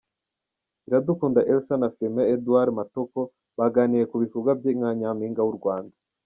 Iradukunda Elsa na Firmin Edouard Matoko baganiriye kubikorwa bye nka Nyampinga w’u Rwanda.